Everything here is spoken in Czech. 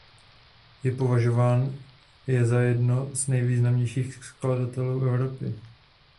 Je považován je za jednoho z nejvýznamnějších skladatelů Evropy.